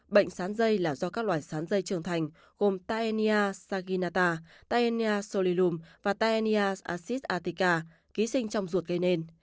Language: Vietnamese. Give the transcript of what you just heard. bệnh sán dây là do các loài sán dây trường thành gồm taenia saginata taenia solilum và taenia asis artica ký sinh trong ruột gây nên